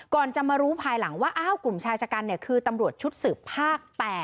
ก่อนจะมารู้ภายหลังว่าอ้าวกลุ่มชายชะกันคือตำรวจชุดสืบภาค๘